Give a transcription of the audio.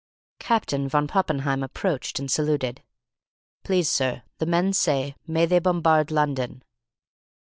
Captain von Poppenheim approached and saluted. "Please, sir, the men say, 'May they bombard London?'"